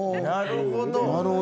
なるほど。